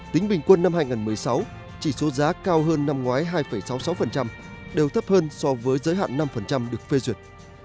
tính bình quân năm hai nghìn một mươi sáu chỉ số giá cao hơn năm ngoái hai sáu mươi sáu đều thấp hơn so với giới hạn năm được phê duyệt